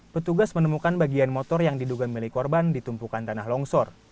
petugas menemukan bagian motor yang diduga milik korban ditumpukan tanah longsor